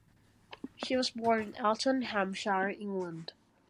She was born in Alton, Hampshire, England.